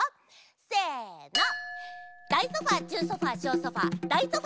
せの。